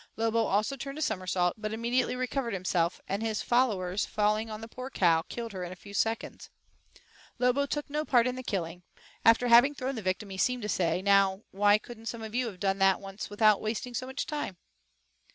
Lobo also turned a somersault, but immediately recovered himself, and his followers falling on the poor cow, killed her in a few seconds. Lobo took no part in the killing after having thrown the victim, he seemed to say, "Now, why could not some of you have done that at once without wasting so much time?"